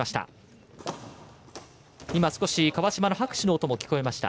川嶋の拍手の音も聞こえました。